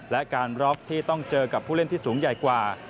และการบล็อกที่ต้องเจอกับผู้เล่นที่สูงใหญ่กว่า